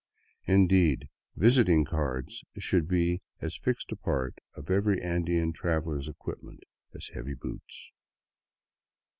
Indeed, visiting cards should be as fixed a part of every Andean traveler's equipment as heavy boots.